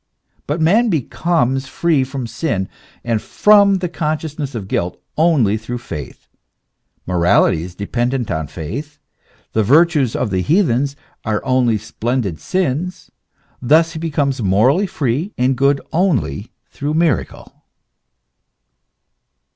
But man becomes free from sin and from the consciousness of guilt only through faith, morality is depen dent on faith, the virtues of the heathens are only splendid sins; thus he becomes morally free and good only through miracle.